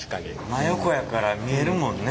真横やから見えるもんね。